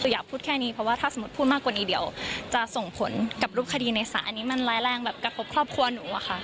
อยากพูดแค่นี้เพราะว่าถ้าสมมุติพูดมากกว่านี้เดี๋ยวจะส่งผลกับรูปคดีในศาลอันนี้มันร้ายแรงแบบกระทบครอบครัวหนูอะค่ะ